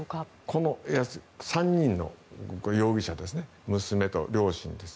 この３人の容疑者娘と両親です。